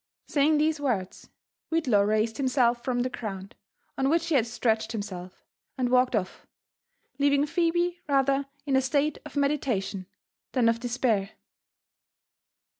Saying these words, Whitlaw raised himself from the ground, on which.he had stretched himself, and walked off, leaving Phebe rather in a state of meditation than of despair.